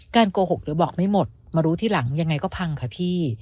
โกหกหรือบอกไม่หมดมารู้ทีหลังยังไงก็พังค่ะพี่